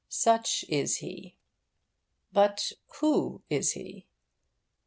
Such is he. But who is he?